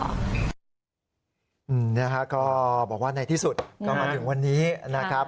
บอกว่าในที่สุดก็มาถึงวันนี้นะครับ